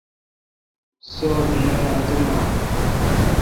سو این اؘ اتوما۔